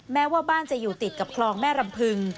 แม้ว่าบ้านจะอยู่ติดกับคลองแม่รำพึง